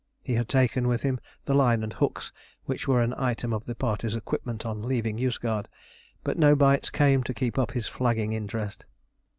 He had taken with him the line and hooks which were an item of the party's equipment on leaving Yozgad; but no bites came to keep up his flagging interest.